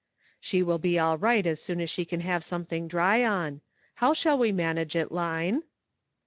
" She will be all right as soon as she can have something dry on. How shall we manage it. Line?"